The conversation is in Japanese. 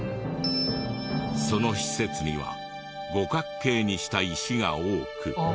その施設には五角形にした石が多く。